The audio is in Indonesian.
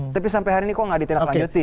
tapi sampai hari ini kok tidak ditingkatkan lagi